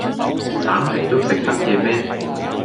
橙皮都食得嘅咩